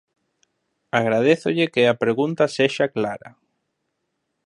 Agradézolle que a pregunta sexa clara.